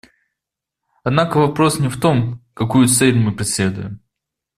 Однако вопрос не в том, какую цель мы преследуем.